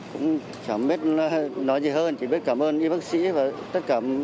cũng chẳng biết nói gì hơn chỉ biết cảm ơn các bác sĩ và tất cả